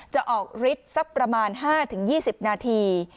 จะออกฤทธิ์สักประมาณ๕๒๐นาที